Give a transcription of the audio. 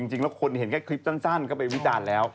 จริงแล้วคนเห็นแค่คลิปสั้นก็ไปวิจารณ์แล้ว